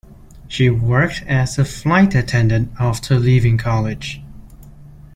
She worked as a flight attendant after leaving college.